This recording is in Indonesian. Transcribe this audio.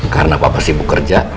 karena papa sibuk kerja